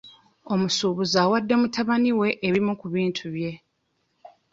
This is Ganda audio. Omusuubuzi awadde mutabani we ebimu ku bintu bye.